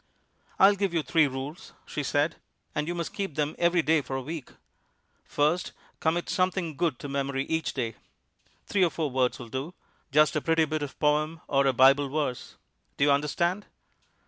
"I'll give you three rules," she said, "and you must keep them every day for a week. First, commit something good to memory each day. Three or four words will do, just a pretty bit of poem, or a Bible verse. Do you understand?"